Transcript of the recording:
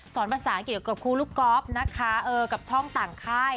สอนภาษาอังกฤษกับครูลูกกอล์ฟกับช่องต่างค่าย